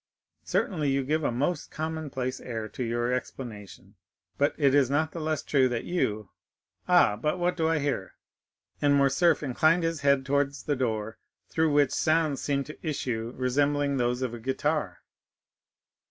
"Certainly you give a most commonplace air to your explanation, but it is not the less true that you——Ah, but what do I hear?" and Morcerf inclined his head towards the door, through which sounds seemed to issue resembling those of a guitar.